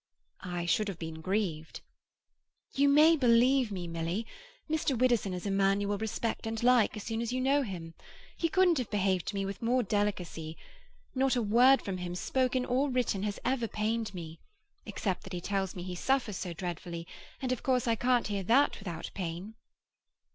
"I should have been grieved." "You may believe me, Milly; Mr. Widdowson is a man you will respect and like as soon as you know him. He couldn't have behaved to me with more delicacy. Not a word from him, spoken or written, has ever pained me—except that he tells me he suffers so dreadfully, and of course I can't hear that without pain."